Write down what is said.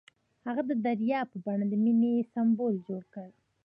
هغه د دریا په بڼه د مینې سمبول جوړ کړ.